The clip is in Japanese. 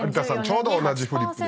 ちょうど同じフリップ。